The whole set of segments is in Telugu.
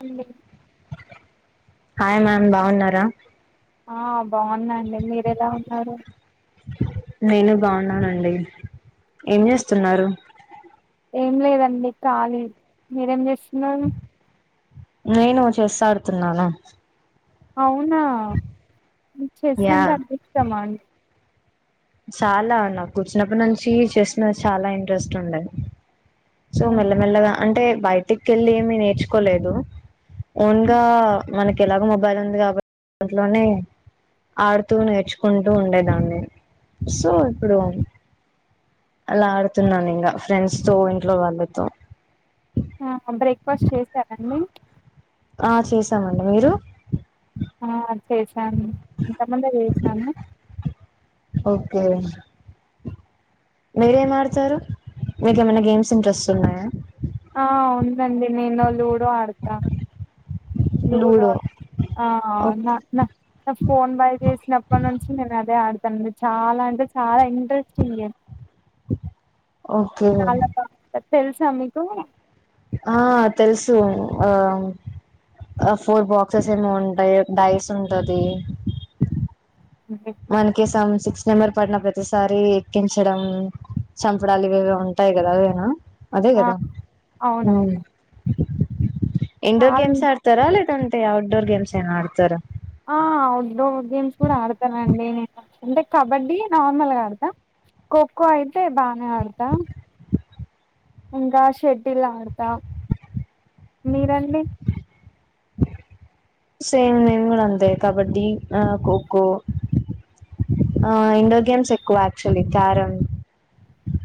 హాలో హాయ్ మ్యామ్ బాగున్నారా ఆ బాగున్నా అండి మీరెలా ఉన్నారు నేను బాగున్నానండి ఏం చేస్తున్నారు ఏం లేదండి కాలి మీరేం చేస్తున్నారు నేను చెస్ ఆడుతున్నాను అవునా చెస్ యా అంటే అంత ఇష్టమా అం చాలా నాకు చిన్నప్పటినుంచి నుంచి చెస్ మీద చాలా ఇంట్రెస్ట్ ఉండే సో మెల్లమెల్లగా అంటే బయటికేళ్ళి ఏమి నేర్చుకోలేదు ఓన్గా మనకి ఎలాగో మొబైల్ ఉంది కాబట్ ఇంట్లోనే ఆడుతూ నేర్చుకుంటూ ఉండేదాన్ని సో ఇప్పుడు అలా ఆడుతున్నాను ఇంగా ఫ్రెండ్స్ తో ఇంట్లో వాళ్ళతో ఆహా బ్రేక్ఫాస్ట్ చేశారా అండి ఆ చేసామండి మీరు ఆ చేసాను ఇంతముందే చేసాను ఓకే మీరేం ఆడతారు మీకు ఏమైనా గేమ్స్ ఇంట్రెస్ట్ ఉన్నాయా నండి నేను లూడో ఆడతా లుడో లూడో ఆ ఆ నా ఓకే నా ఫోన్ వై చేసినప్పటి నుంచి నేను అదే ఆడతానండి చాలా అంటే చాలా ఇం ఇంట్రెస్టింగ్ గేమ్ ఓకే చాల బాగుంటది తెలుసా మీకు ఆ తెలుసు ఆ ఆ ఫోర్ బాక్సెస్ ఏమో ఉంటాయి డైస్ ఉంటది మనకి సం సిక్స్ నెంబర్ పడిన ప్రతిసారి ఎక్కించడం చంపడాలు ఇవి ఏవో ఉంటాయి కదా అవ్వెనా అదే ఆ! కదా ఉమ్ అవునవును ఇండోర్ చాలా గేమ్సే ఆడతారా లేదంటే ఔట్డోర్ గేమ్స్ ఏనా ఆడతారా ఆ అవుట్డోర్ గేమ్స్ కూడా ఆడతానండి నేను అంటే కబడ్డీ నార్మల్గా ఆడతా ఖోఖో అయితే బానే ఆడతా ఇంకా షటిల్ ఆడతా మీరండి సేమ్ నేన్ కూడా అంతే కబడ్డీ ఆ ఖోఖో ఆ ఇండోర్ గేమ్స్ ఎక్కువ యాక్చుఅల్లీ క్యారం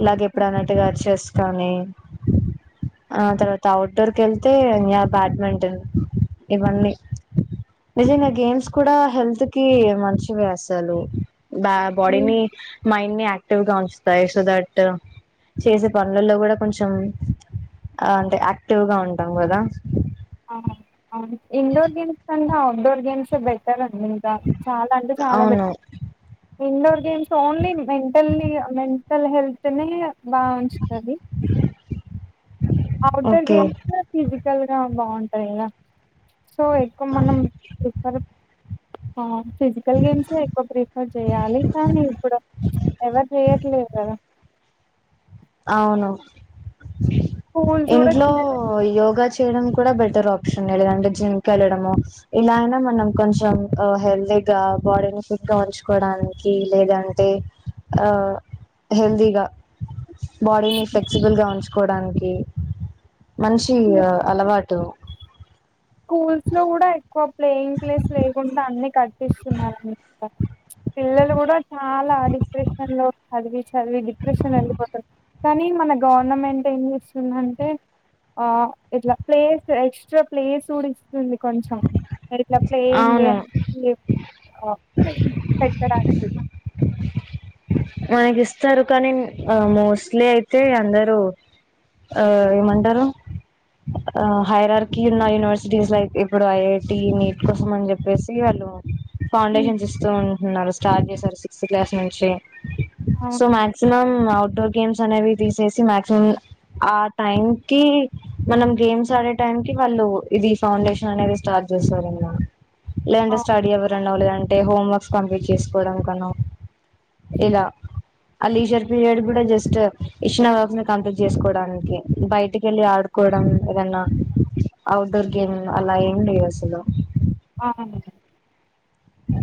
ఇలాగ ఇప్పుడు అన్నట్టుగా చెస్ కానీ ఆ తర్వాత ఔట్డోర్ కెళ్తే యా బ్యాడ్మింటన్ ఇవన్నీ నిజంగా గేమ్స్ కూడా హెల్త్ కి మంచివే అసలు బ్య బాడీ నీ మైండ్ ని అక్టివ్ గా ఉంచుతాయి సో దట్ ట్ చేసే పనులల్లో కూడా కొంచం అంటే యాక్టివ్ గా ఉంటాం కదా ఆ అవును ఇండోర్ గేమ్స్ అంద ఔట్ డోర్ గేమ్సే బెటర్ అం కుంటా చాలా అంటే చాలా అవును బెట్ indoor games only mentally mental హెల్త్ని బా ఉంచుతది ఔట్డోర్ ఓకే గేమ్స్ ఫిజికల్ గా బాగుంటాయి కద సో ఎక్కువ మనం ప్రిఫర్ ఆ ఫిజికల్ గేమ్సే ఎక్కువ ప్రిఫర్ చెయాలి కానీ ఇప్పుడు ఎవరు చెయట్లేదు కదా అవును స్కూల్స్ కూడా ఇంట్లో చిన్న చిన్న యోగా చే ఇండోర్ కూడా బెటర్ ఆప్షన్ ఏ అండి జిం వెళ్ళడము ఇలా అయిన మనం కొంచెం ఆ హెల్తీ గా బాడీని ఫిట్ గా ఉంచుకోవడానికి లేదంటే ఆ హెల్దీగా బాడీని ఫ్లెక్సిబుల్ గా ఉంచుకోవడానికి మంచి అలవాటు స్కూల్స్ లో కూడా ఎక్కువ ప్లేన్ ప్లేస్ లేకుండా అన్ని కట్పిస్తున్నారండి అక్కడ పిల్లలు కూడా చాలా డిప్రెషన్ లో చదివి చదివి డిప్రెషన్ వేళ్ళీపోతారు కానీ మన గవర్నమెంట్ ఏం చేస్తుందంటే ఆ ఇట్ల ప్లేస్ ఎక్స్ట్రా ప్లేస్ చూడిస్తుంది కొంచెం [inaudible] అవును మనకి ఇస్తారు కానీ ఆ మోస్ట్లీ అయితే అందరూ ఆ ఏమంటారు ఆ హైరార్కి ఉన్న యూనివర్సిటీస్ లైక్ ఇప్పుడు ఐఐటి నీట్ కోసం అని చెప్పేసి ఉమ్, ఫౌండేషన్స్ ఇస్తూ ఉంటున్నారు స్టార్ట్ చేశారు సిక్స్త్ క్లాస్ నుంచి సో అవును మాక్సిమం అఔట్డోర్ గేమ్స్ అనేవి తీసేసి మాక్సిమం ఆ టైం కి మనం గేమ్స్ ఆడే టైం కి వాళ్ళు ఇది ఫౌండేషన్ అనేది స్టార్ట్ చేశారు అంట మా ఆ, లేదంటే స్టడీ ఎవరన్నా లేదంటే హోమ్ వర్క్స్ కంప్లీట్ చేసుకోవడం కనో ఇలా ఆ లీజర్ పీరియడ్ కూడా జస్ట్ ఇచ్చిన వర్క్ కంప్లీట్ చేసుకోవడానికి బయటికి వెళ్ళి ఆడు కోవడనీకి ఏదన్నా అఔట్డోర్ గేమ్ అలా ఏమ్ లేదు అసలు అవును అ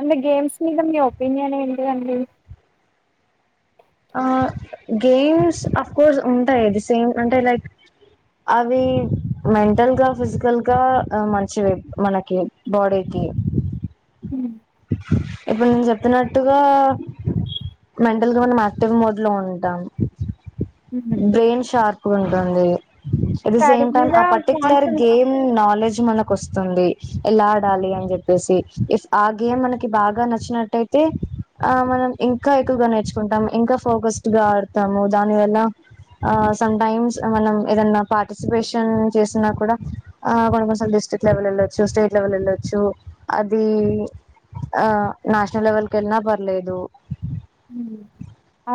అంటే గేమ్స్ మీద మీ ఒపీనియన్ ఏంటిదండి ఆ గేమ్స్ ఆఫ్ కోర్స్ ఉంటాయి అది సేమ్ అంటే లైక్ అవి మెంటల్ గా ఫిజికల్ గా మంచివి మనకి బాడీకి గ ఉమ్, ఇప్పుడు నేను చెప్పినట్టుగా మెంటల్గా మనం యాక్టివ్ మోడ్ లో ఉంటాం ఉమ్. బ్రెయిన్ షార్ప్ ఉంటుంది at the study same time మీద ఆ పర్టిక్యులర్ కాన్సంట్ గేమ్ నాలెడ్జ్ మనకు వస్తుంది స్తుంది ఎలా ఆడాలి అని చెప్పేసి ఇఫ్ ఆ గేమ్ మనకి బాగా నచ్చినట్టయితే ఆ మనం ఇంకా ఎక్కువగా నేర్చుకుంటాం ఇంకా ఫోకస్డ్ గా ఆడతాము దాని వల్ల ఆ సమ్ టైమ్స్ మనం ఏదన్నా పార్టిసిపేషన్ చేసిన కూడా ఆ కొన్నీ డిస్ట్రిక్ట్ లెవల్ వెలొచ్చు స్టేట్ లెవెల్ వెళ్లొచ్చు అది ఆ నేషనల్ లెవెల్కి వెళ్లినా పర్లేదు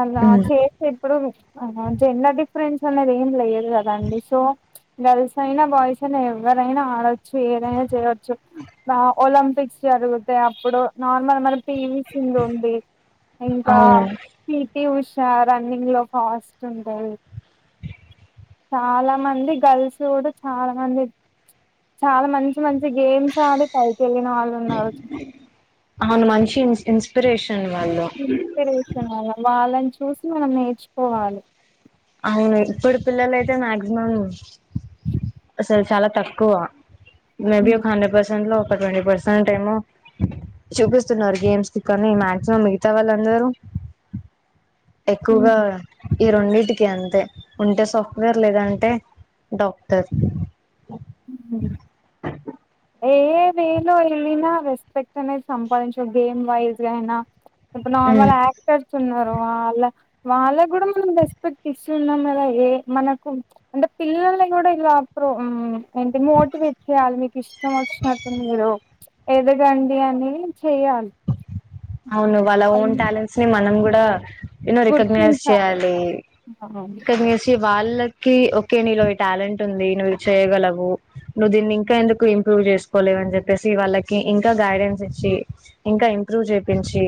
అలా చేసే ఇప్పుడు జెండర్ డిఫరెన్స్ అనేది ఏం లేదు కద అండి సో గర్ల్స్ అయినా బాయ్స్ అయినా ఎవరైనా ఆడొచ్చు ఏదైనా చేయొచ్చు ఒలింపిక్ పిక్స్ జరుగుతాయి అప్పుడు నార్మల్ మన పి వి సింధూ ఉంది ఇంకా అవును పి టి ఉషా రన్నింగ్ లో ఫాస్ట్ ఉంది చాలా మంది గర్ల్స్ కూడా చాలా మంది చాలా మంచి మంచి గేమ్స్ ఆడి పైకి ఎదిగిన వాళ్ళు ఉన్నారు అవును మంచి ఇన్స్ ఇన్స్పిరేషన్ వాళ్ళు ఇన్స్పిరేషన్ వాళ్ళని చూసి మనం నేర్చుకోవాలి అవును ఇప్పుడు పిల్లలు అయితే మాక్సిమం అసలు చాలా తక్కువ మేబీ ఒక హండ్రెడ్ పర్సెంట్ లో ట్వంటీ పర్సెంట్ టేమో చూపిస్తున్నారు గేమ్స్ కి కాని మాక్సిమం మిగతా వాళ్ళందరూ ఎక్కువగా ఈ రెండింటికి అంతే ఉంటే సాఫ్ట్వేర్ లేదంటే డాక్టర్ ఏ వేలో వెళ్ళిన రెస్పెక్ట్ అనేది సంపాదించడం గేమ్ వైజ్ గా అయినా ఇప్పుడు నార్మల్ యాక్టర్స్ ఉన్నారు వా వాళ్ళ కూడా మన రెస్పెక్ట్ ఇస్తుంనం కద ఏ మన అంటే పిల్ పిల్లల్ని కూడా ఎలా మోటివేట్ చేయాలి మీకు ఇష్టం వచ్చినాటూ మీరు ఎదగండి అని చెయ్యాలి అవును వాళ్ళ ఓన్ టాలెంట్స్ ని మనం కూడా రికాగ్రైన్స్ గుర్తించాలి చేయాలి చేసే వాళ్ళకి ఓకే నీలో ఈ టాలెంట్ ఉంది నువ్వు చేయగలవు నువ్వు దీన్ని ఇంకా ఎందుకు ఇంప్రూవ్ చేసుకోలేదు అని చెప్పేసి వాళ్ళకి ఇంకా గైడెన్స్ ఇచ్చి ఇంకా ఇంప్రూవ్ పించి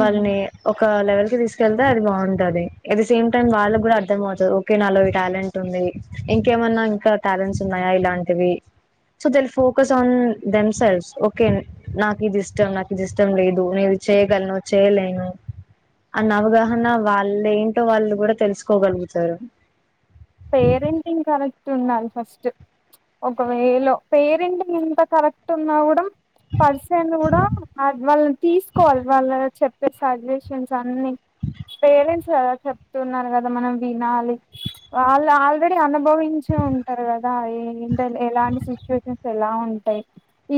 వాళ్ళని ఒక లెవెల్ కి తీసుకెళ్తే అది బాగుంటది అట్ ద సేమ్ టైమ్ వాళ్ళకి కూడా అర్థమవుతుది ఓకే నా లో ఈ టాలెంట్ ఉంది ఇంకేమన్నా ఇంకా టాలెంట్స్ ఉన్నాయా ఇలాంటివి so దల్ focus on them self okay నాకు ఇది ఇష్టం నా ది ఇష్టం లేదు నేనుది చేయగలను చేయలేను అన్న అవగాహన వాళ్ళు ఏంటో వాళ్ళు కూడా తెలుసుకోగలుగుతారు పేరెంటింగ్ కర ఉండాలి ఫస్ట్ ఒకవేలో పేరింటి ఎంత కరెక్ట్ ఉన్నా కూడా పర్సన్ కూడా వాళ్ళని తీసుకోవాలి వాళ్ళ చెప్ సజెషన్స్ అన్ని పేరెంట్స్ కదా చెప్తున్నారు కదా మనం వినాలి వాళ్ళు ఆల్రెడీ అనుభవించి ఉంటారు కదా అ ఎలాంటి సిచ్యుయేషన్స్ ఎలా ఉంటాయి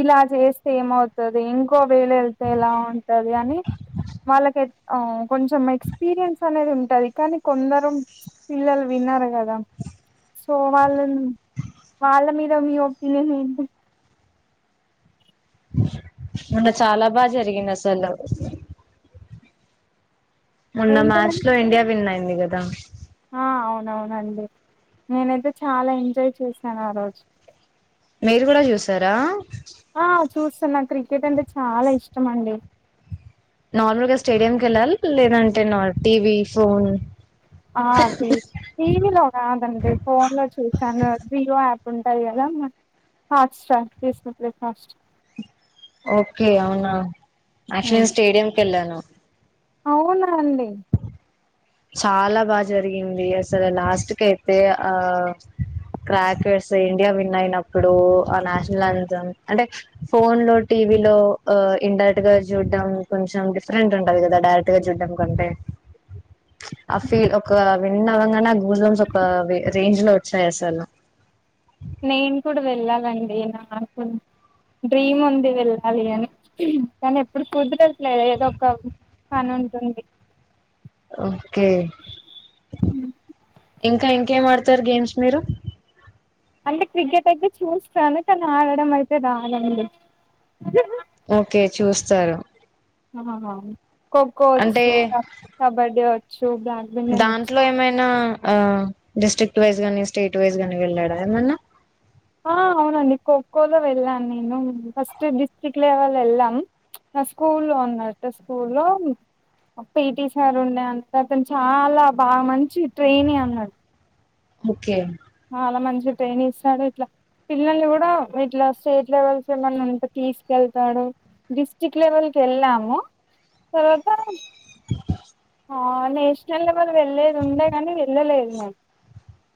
ఇలా చేస్తే ఏమవుతుది ఇంకో వే లో వెళ్తే ఎలా ఉంటది అని వాళ్ళకి కొంచెం ఎక్స్పీరియన్స్ అనేది ఉంటది కానీ కొందరు పిల్లలు వినరు కదా సో వాళ్ళ వాళ్ళ మీద మీ ఒపీనియన్ ఏంటి మొన్న చాలా బాగా జరిగింది అసలు మున్న మ్యాచ్ ఏంటిదండి లో ఇండియా విన్ అయింది కదా ఆ అవునవునండి నేనైతే చాలా ఎంజాయ్ చేశాను ఆ రోజు మీరు కూడా చూసారా చూస్తాను నా క్రికెట్ అంటే చాలా ఇష్టం అండి నార్మల్గా స్టేడియంకి వెళ్ళాలి లేదంటే టీవీ ఫోన్ ఆ టీ టీవీ లో రాదండి ఫోన్ లో చూసాను జియో యాప్ ఉంటాయి కదా హాట్స్టార్ డిస్నీ హోస్ట్స్టర్ ఓకే అవునా అక్టుఅల్లీ స్టేడియమ్ క వెళ్ళాను అవునా అండి చాలా బాగా జరిగింది అసలు లాస్ట్ క అయితే ఆ క్రాకర్స్ ఇండియా విన్ అయినప్పుడు ఆ నేషనల్ అంతం అంటే ఫోన్ లోటి టీవీలో ఇన్డైరెక్ట్ గా చూడ్డం కొంచెం డిఫరెంట్ ఉంటది కదా డైరెక్ట్ గా చూడ్డం కంటే ఆ ఫీ ఒక విన్ అవంగానే గ్యాస్బమ్స్ ఒక రేంజ్ లో వచ్చాయి అసలు నేను కూడా వెళ్ళాలండి నాకు డ్రీమ్ ఉంది వెళ్ళాలి అని కానీ ఎప్పుడు కుదరట్లేదు ఏదో ఒక పనుంటుంది కే ఇంకా ఇంకేమా ఆడతారు గేమ్స్ మీరు అంటే క్రికెట్ అయితే చూస్తాను కానీ ఆడడం అయితే రాదండి ఓకే చూస్తారు ఆ ఖోఖో అంటే వచ్చు కబడ్డీ వచ్చు బ్లాక్ బెండన్ వచ్చు దాంట్లో ఏమైనా ఆ డిస్ట్రిక్ట్ వైజ్ గాని స్టేట్ వైజ్ గాని వెళ్ళాడా ఏమన్నా ఆ అవునండి ఖోఖోలో వెళ్ళాను నేను ఫస్ట్ డిస్ట్రిక్ట్ లెవెల్ వెళ్ళాం స్కూ లో ఉన్నట్టు స్కూ లో పిటి సార్ ఉండే అంత అతను చాలా బాగా మంచి ట్రైన్ అన్నాట్టు ఓకే చాలా మంచి ట్రైన్ ఇస్తాడు ఇట్లా పిల్లల్ని కూడా ఇట్లా స్టేట్ లెవెల్స్ ఏమన్నాంట తీసుకెళ్తాడు డిస్ట్రిక్ట్ లెవెల్ క వెళ్ళాము తర్వాత నేషనల్ లెవెల్ వెళ్ళలేది ఉండే కానీ వెళ్ళలేదు మేము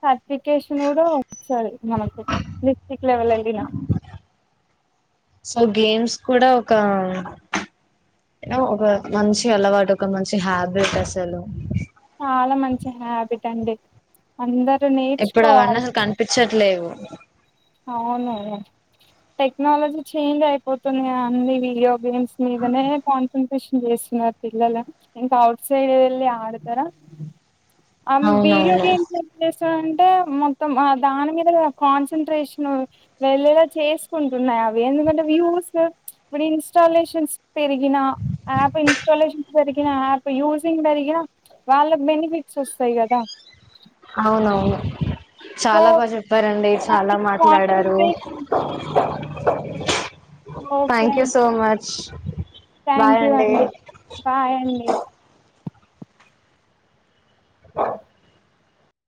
సర్టిఫికేషన్ కూడా సరే మనకు డిస్ట్రిక్ట్ లెవెల్ వెళ్లిన సో గేమ్స్ కూడా ఒక ఒక మంచి అలవాటు ఒక మంచి హ్యాబిట్ అసలు చాలా మంచి హ్యాబిట్ అండి అందరు ఇప్పుడు అవన్నీ నేర్చుకోవాలి అసలు కనిపించట్లేవు అవునును టెక్నాలజీ చేంజ్ అయిపోతున్నా అన్ని వీడియో గేమ్స్ మీదనే కాన్సెంట్రేట్ షన్ చేస్తున్నారు పిల్లలు ఇంకా అఔట్ సైడ్ వెళ్ళి ఆడతారా వీడియో అవునవును గేమ్స్ ఏం చేస్తాడంటే మొత్తం దాని మీద కాన్సన్ట్రేషన్ వెళ్ళేలా చేసుకుంటున్నాయి అవి ఎందుకంటే వ్యూస్ ఇప్పుడు ఇన్స్టాలేషన్స్ పెరిగిన యాప్ ఇన్స్టాలేషన్ పెరిగిన యాప్ యూజింగ్ వాళ్ళ బెనిఫిట్ వస్తాయి కదా అవునవును సో చాలా బాగా చెప్పారండి దాని చాలా మీద మాట్లాడారు కాన్సన్ట్రేషన్ ఓకే థ్యాంక్ యూ అండి సో మచ్ థ్యాంక్ యూ అండి బాయ్ అండి ఆ